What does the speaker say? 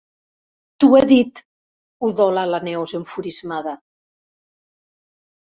T'ho he dit! —udola la Neus, enfurismada.